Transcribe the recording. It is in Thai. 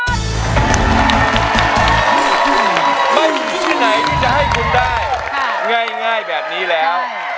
นี่ไม่มีที่ไหนที่จะให้คุณได้ง่ายแบบนี้แล้ว